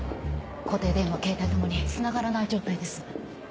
固定電話ケータイともにつながらない状態です。